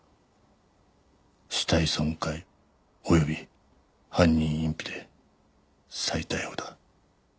死体損壊および犯人隠避で再逮捕だ。